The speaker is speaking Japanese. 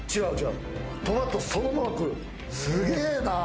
すげえな。